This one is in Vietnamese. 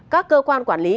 các cơ quan quản lý